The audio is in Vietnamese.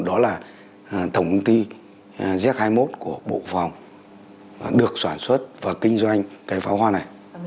đó là tổng công ty z hai mươi một của bộ phòng được sản xuất và kinh doanh cái pháo hoa này